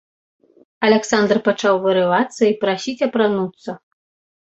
Аляксандр пачаў вырывацца і прасіць апрануцца.